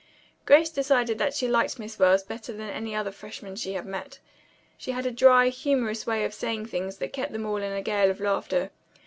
Grace decided that she liked Miss Wells better than any other freshman she had met. She had a dry, humorous way of saying things that kept them all in a gale of laughter.